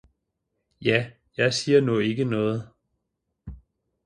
Ja, jeg siger nu ikke noget!